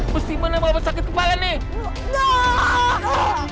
pasti menemukan sakit kepala nih